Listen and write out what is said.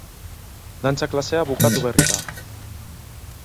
Dantza klasea bukatu berri da.